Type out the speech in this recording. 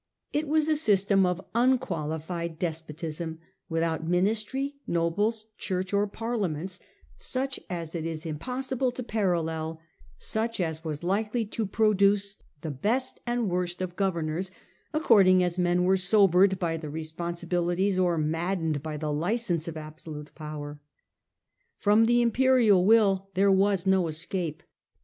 I7S Position of the Emperor, It was a system of unqualified despotism, without ministry, nobles, church, or parliaments, such as it is impossible to parallel, such as was likely to produce the best and worst of governors, according as men were sobered by the responsibilities or maddened by the license of absolute power. From the imperial will there was no escape.